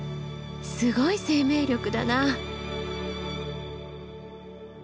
すごい生命力だな。